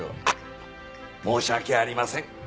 あっ申し訳ありません。